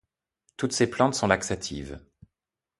Toutes ces plantes sont laxatives.